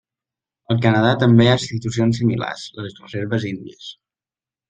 Al Canadà també hi ha institucions similars, les reserves índies.